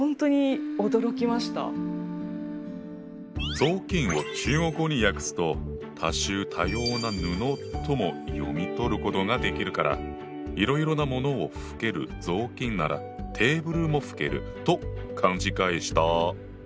「雑巾」を中国語に訳すと「多種多様な布」とも読み取ることができるからいろいろなものを拭ける雑巾ならテーブルも拭けると勘違いした。